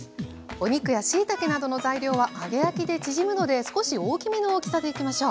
お肉やしいたけなどの材料は揚げ焼きで縮むので少し大きめの大きさでいきましょう。